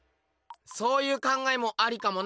そういう考えもありかもな。